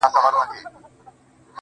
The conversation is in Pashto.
يوه د ميني زنده گي راوړي\